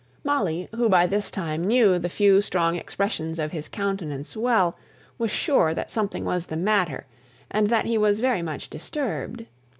Molly, who by this time knew the few strong expressions of his countenance well, was sure that something was the matter, and that he was very much disturbed.